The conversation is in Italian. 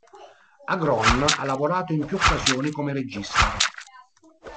Agron ha lavorato in più occasioni come regista.